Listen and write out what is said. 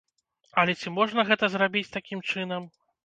Але ці можна гэта зрабіць такім чынам?